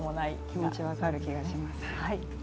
気持ち分かる気がします。